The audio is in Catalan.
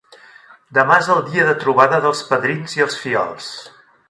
Demà és el dia de trobada dels padrins i els fillols.